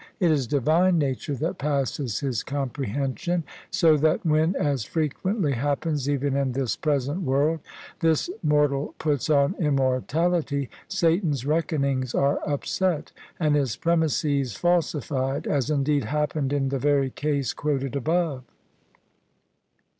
It is Divine Nature that passes his comprehension : 80 that when — as frequently happens even in this present world — this mortal puts on immortality, Satan's reckonings are upset and his premises falsified : as indeed happened in the very case quoted above.